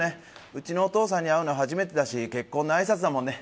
うちのお父さんに会うの初めてだし結婚のあいさつだもんね。